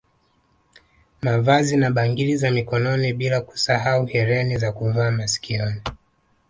Mavazi na bangili za Mikononi bila kusahau hereni za kuvaa masikioni